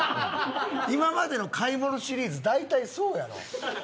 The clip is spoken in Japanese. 今までの買い物シリーズ大体そうやろ。